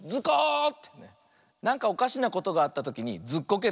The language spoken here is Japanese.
なんかおかしなことがあったときにずっこけるのね。